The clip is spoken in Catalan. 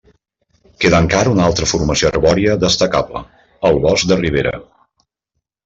Queda encara una altra formació arbòria destacable, el bosc de ribera.